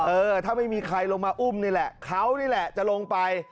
เออถ้าไม่มีใครลงมาอุ้มนี่แหละเขานี่แหละจะลงไป